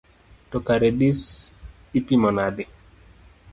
To kare dis ipimo nade?